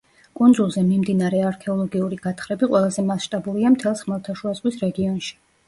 კუნძულზე მიმდინარე არქეოლოგიური გათხრები ყველაზე მასშტაბურია მთელს ხმელთაშუა ზღვის რეგიონში.